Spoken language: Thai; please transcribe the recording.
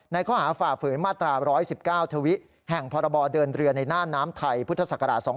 ในข้อหาฝ่าฝืนมาตรา๑๑๙ทวิแห่งพบเดินเรือนในน้ำไทยพศ๒๔๕๖